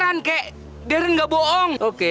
beneran kakek deren gak bohong